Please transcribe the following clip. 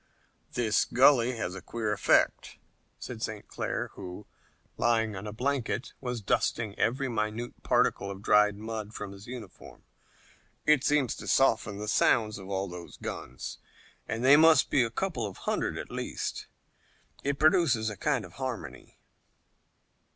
"This gully has a queer effect," said St. Clair, who, lying on a blanket, was dusting every minute particle of dried mud from his uniform. "It seems to soften the sounds of all those guns and they must be a couple of hundred at least. It produces a kind of harmony."